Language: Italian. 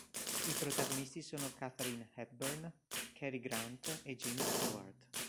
I protagonisti sono Katharine Hepburn, Cary Grant e James Stewart.